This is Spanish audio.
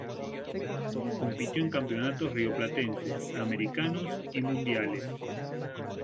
Compitió en campeonatos Rioplatenses, Americanos y Mundiales.